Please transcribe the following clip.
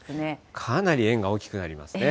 かなり円が大きくなりますね。